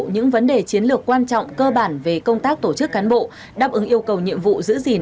những vấn đề chiến lược quan trọng cơ bản về công tác tổ chức cán bộ đáp ứng yêu cầu nhiệm vụ giữ gìn